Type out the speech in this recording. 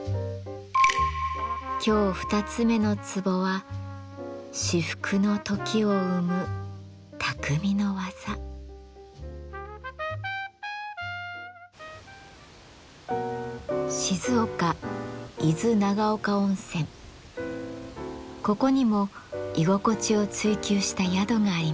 今日２つ目の壺はここにも居心地を追求した宿があります。